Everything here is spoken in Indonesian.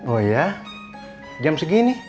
oh ya jam segini